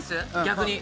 逆に。